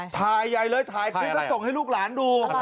ถ่ายใหญ่เลยถ่ายคลิปแล้วส่งให้ลูกหลานดู